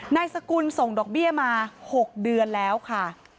นายสกุลส่งดอกเบี้ยมา๖เดือนแล้วค่ะ